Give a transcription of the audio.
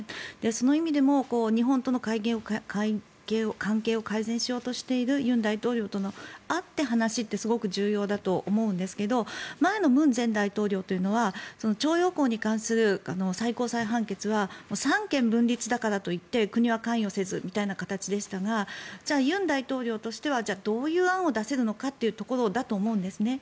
その意味でも日本との関係を改善しようとしている尹大統領との会っての話というのはすごく重要だと思うんですが前の文前大統領というのは徴用工に関する最高裁判決は三権分立だからと言って国は関与せずみたいな形でしたがじゃあ、尹大統領としてはどういう案を出せるのかというところだと思うんです。